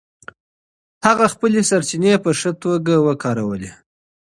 هغې خپلې سرچینې په ښه توګه وکارولې.